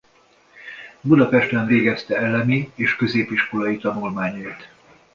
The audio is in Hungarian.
Budapesten végezte elemi és középiskolai tanulmányait.